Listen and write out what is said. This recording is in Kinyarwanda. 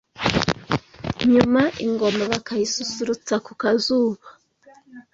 Nyuma ingoma bakayisusurutsa ku kazuba